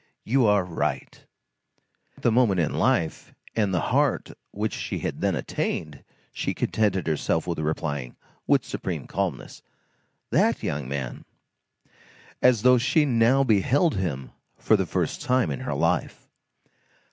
You are right!"—At the moment in life and the heart which she had then attained, she contented herself with replying, with supreme calmness: "That young man!" As though she now beheld him for the first time in her life.